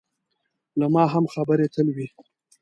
له ما هم خبرې تل وي.